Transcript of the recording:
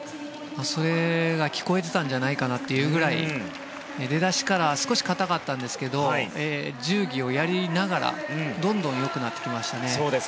それが聞こえてたんじゃないかなというぐらい出だしから少し硬かったんですが十技をやりながらどんどんよくなってきましたね。